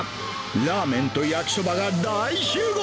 ラーメンと焼きそばが大集合。